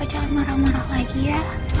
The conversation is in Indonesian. jangan marah marah lagi ya